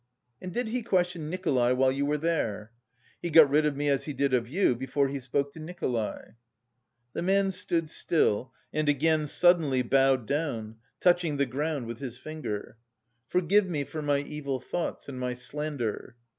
"And did he question Nikolay while you were there?" "He got rid of me as he did of you, before he spoke to Nikolay." The man stood still, and again suddenly bowed down, touching the ground with his finger. "Forgive me for my evil thoughts, and my slander."